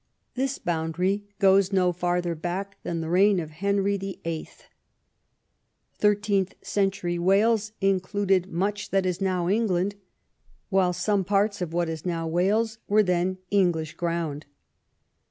This boundary goes no farther back than the reign of Henry VIII. Thirteenth century Wales included much that is now England, while some parts of what is now Wales w^ere then English ground.